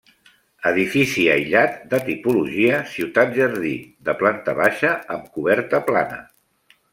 Edifici aïllat de tipologia ciutat-jardí de planta baixa amb coberta plana.